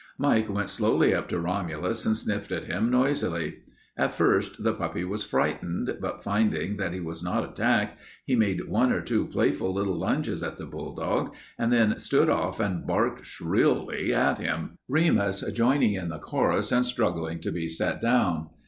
Mike went slowly up to Romulus and sniffed at him noisily. At first the puppy was frightened, but finding that he was not attacked he made one or two playful little lunges at the bulldog and then stood off and barked shrilly at him, Remus joining in the chorus and struggling to be set down.